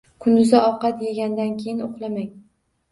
Kunduzi ovqat yegandan keyin uxlamang.